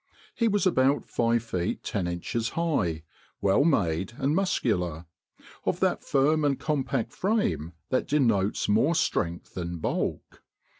He was about five feet ten inches high, well made and muscular; of that firm and compact frame that denotes more strength than bulk.